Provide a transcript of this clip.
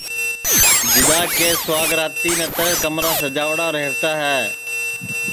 جِدا کہ سُواگراتی نتر کمرا سجاوڑا ریوتا ہے